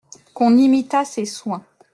Qu'on imitât ces soins.